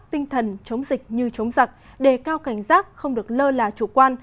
tinh thần chống dịch như chống giặc đề cao cảnh giác không được lơ là chủ quan